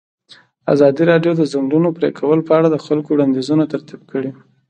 ازادي راډیو د د ځنګلونو پرېکول په اړه د خلکو وړاندیزونه ترتیب کړي.